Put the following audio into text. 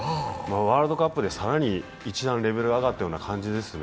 ワールドカップで更に一段レベルが上がったような感じですね。